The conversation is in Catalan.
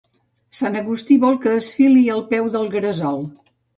Sant Agustí vol que es fili al peu del gresol.